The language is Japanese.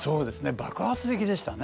爆発的でしたね。